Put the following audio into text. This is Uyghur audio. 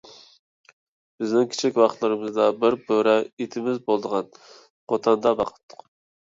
بىزنىڭ كىچىك ۋاقىتلىرىمىزدا بىر بۆرە ئىتىمىز بولىدىغان، قوتاندا باقاتتۇق.